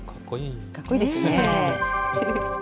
かっこいいですね。